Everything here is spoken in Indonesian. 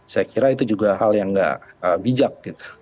saya kira itu juga hal yang nggak bijak